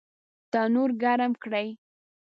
تنور ګرم کړئ